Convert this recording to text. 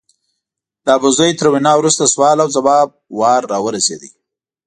د ابوزید تر وینا وروسته سوال او ځواب وار راورسېد.